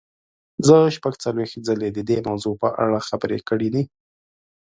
زه شپږ څلوېښت ځلې د دې موضوع په اړه خبرې کړې دي.